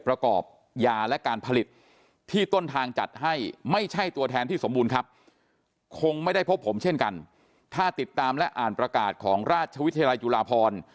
ประกอบยาและการผลิตที่ต้นทางจัดให้ไม่ใช่ตัวแทนที่สมบูรณ์ครับคงไม่ได้พบผมเช่นกันถ้าติดตามและอ่านประกาศของราชวิทยาลัยจุฬาพร